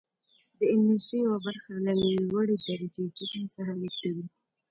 د انرژي یوه برخه له لوړې درجې جسم څخه لیږدوي.